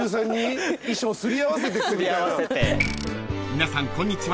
［皆さんこんにちは